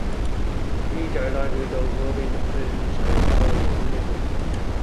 啲仔女去到嗰邊讀書唔使話多謝邊一個